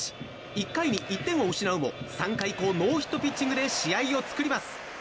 １回に１点を失うも３回以降ノーヒットピッチングで試合を作ります。